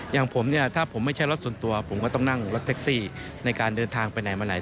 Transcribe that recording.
อย่างผมเนี่ยถ้าผมไม่ใช่รถส่วนตัวผมก็ต้องนั่งรถแท็กซี่ในการเดินทางไปไหนมาไหน